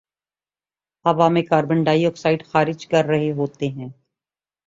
ہوا میں carbon dioxide خارج کررہے ہوتے ہیں